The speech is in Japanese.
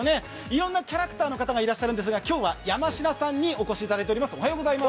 いろんなキャラクターの方がいらっしゃるんですが今日は山科さんにお越しいただいています。